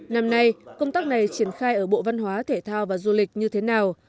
năm nay công tác này triển khai ở bộ văn hóa thể thao và du lịch như thế nào